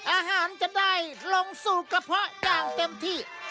อาหารจะได้ลงสู่กระเพาะอย่างเต็มที่